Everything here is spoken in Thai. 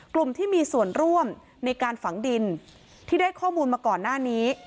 กลุ่มที่มีส่วนร่วมในการฝังดินที่ได้ข้อมูลมาก่อนหน้านี้